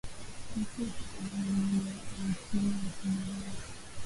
na sio kwa alama moja ya ukimwi kwa kingereza